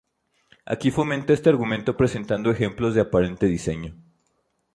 Aquí fomenta este argumento presentando ejemplos de aparente diseño.